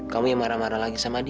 kamu yang marah marah lagi sama dia